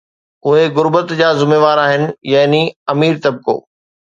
اهي غربت جا ذميوار آهن، يعني امير طبقو